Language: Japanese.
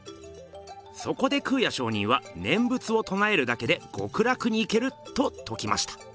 そこで空也上人は「念仏をとなえるだけで極楽に行ける！」とときました。